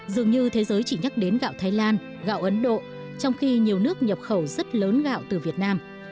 dường như thế giới chỉ nhắc đến gạo thái lan gạo ấn độ trong khi nhiều nước nhập khẩu rất lớn gạo từ việt nam